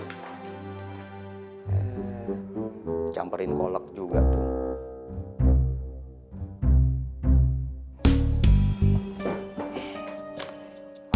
hmm campurin kolek juga tuh